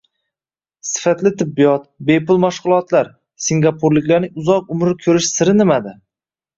Sifatli tibbiyot, bepul mashg‘ulotlar: Singapurliklarning uzoq umr ko‘rish siri nimada?